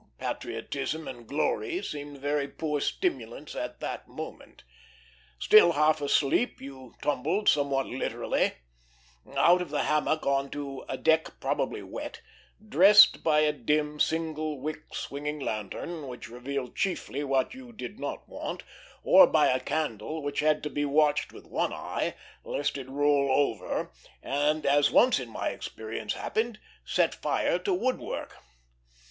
Patriotism and glory seemed very poor stimulants at that moment. Still half asleep, you tumbled, somewhat literally, out of the hammock on to a deck probably wet, dressed by a dim, single wick swinging lantern, which revealed chiefly what you did not want, or by a candle which had to be watched with one eye lest it roll over and, as once in my experience happened, set fire to wood work.